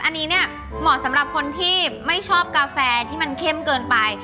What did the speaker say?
อันนี้เนี่ยเหมาะสำหรับคนที่ไม่ชอบกาแฟที่มันเข้มเกินไป